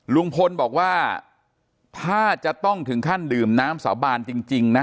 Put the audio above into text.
ลุงพลบอกว่าถ้าจะต้องถึงขั้นดื่มน้ำสาบานจริงนะ